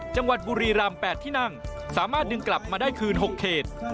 จังหวัดบุรีรำ๘ที่นั่งสามารถดึงกลับมาได้คืน๖เขต